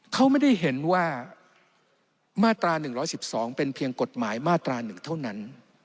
เขาไม่ได้เห็นว่ามาตรา๑๑๒เป็นเพียงกฎหมายมาตรา๑เท่านั้น